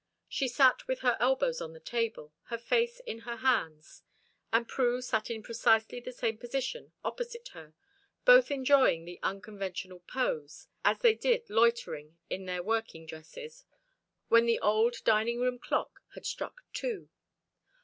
She sat with her elbows on the table, her face in her hands, and Prue sat in precisely the same position opposite her, both enjoying the unconventional pose, as they did loitering in their working dresses when the old dining room clock had struck two.